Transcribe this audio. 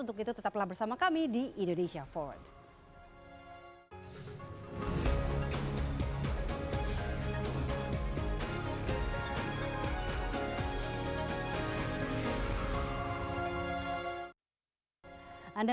untuk itu tetaplah bersama kami di indonesia forward